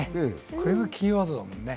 これがキーワードだもんね。